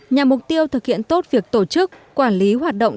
nhằm mục tiêu thực hiện tốt việc tổ chức quản lý hoạt động